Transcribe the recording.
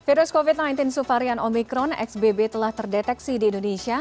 virus covid sembilan belas subvarian omikron xbb telah terdeteksi di indonesia